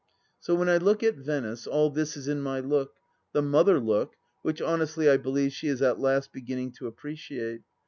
... So when I look at Venice, all this is in my look — ^the mother look, which honestly I believe she is at last beginning to appreciate.